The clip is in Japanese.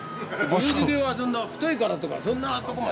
売る人間はそんな太いからとかそんなとこまでいかない。